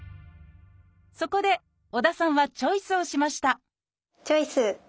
そこで織田さんはチョイスをしましたチョイス！